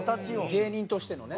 芸人としてのね。